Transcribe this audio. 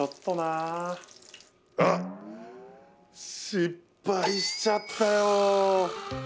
失敗しちゃったよ。